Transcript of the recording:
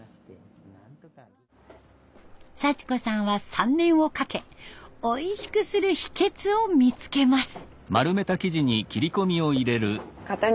幸子さんは３年をかけおいしくする秘けつを見つけます。